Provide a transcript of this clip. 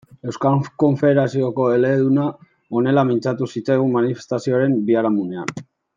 Euskal Konfederazioko eleduna honela mintzatu zitzaigun manifestazioaren biharamunean.